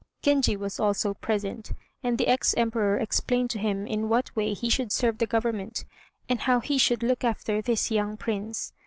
Genji was also present, and the ex Emperor explained to him in what way he should serve the Government, and how he should look after this young Prince.